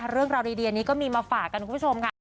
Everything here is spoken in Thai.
เรื่องราวดีนี้ก็มีมาฝากกันคุณผู้ชมค่ะ